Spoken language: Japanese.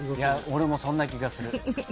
俺もそんな気がする。